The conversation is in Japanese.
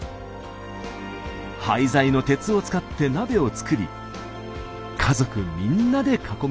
廃材の鉄を使って鍋を作り家族みんなで囲みました。